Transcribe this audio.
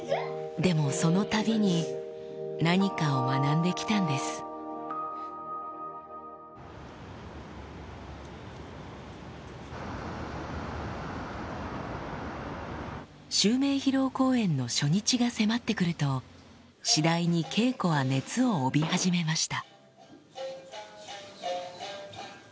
でもそのたびに何かを学んで来たんです襲名披露公演の初日が迫って来ると次第に稽古は熱を帯び始めました